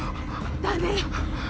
だね。